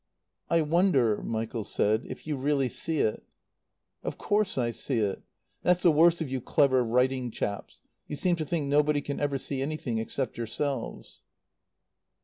"I wonder," Michael said, "if you really see it." "Of course I see it. That's the worst of you clever writing chaps. You seem to think nobody can ever see anything except yourselves."